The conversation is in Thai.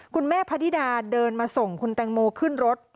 พระนิดาเดินมาส่งคุณแตงโมขึ้นรถ